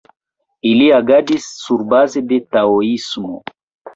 Ili agadis surbaze de taoismo.